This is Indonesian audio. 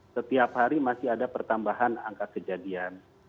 setiap hari masih ada pertambahan angka kejadian